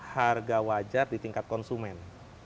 harga wajar di tingkat konsumen